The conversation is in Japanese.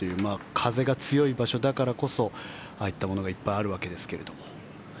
風が強い場所だからこそああいったものがいっぱいあるわけですけど。